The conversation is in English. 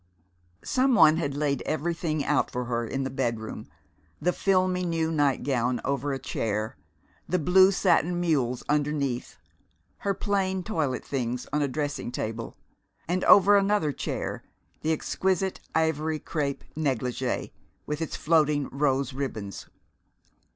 Some one had laid everything out for her in the bedroom; the filmy new nightgown over a chair, the blue satin mules underneath, her plain toilet things on a dressing table, and over another chair the exquisite ivory crepe negligee with its floating rose ribbons.